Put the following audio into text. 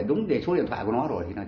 đúng để số điện thoại của nó rồi